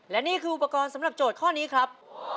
และนี่คืออุปกรณ์สำหรับโจทย์ข้อนี้ครับ